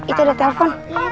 itu ada telepon